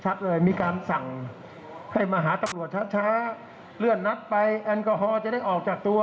มีการสั่งให้มาหาตำรวจช้าช้าเลื่อนนัดไปแอลกอฮอลจะได้ออกจากตัว